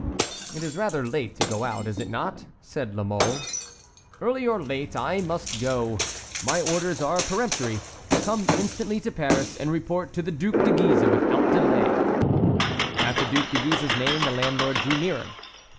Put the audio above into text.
"It is rather late to go out, is it not?" said La Mole. "Early or late, I must go; my orders are peremptory—'Come instantly to Paris, and report to the Duc de Guise without delay.'" At the Duc de Guise's name the landlord drew nearer.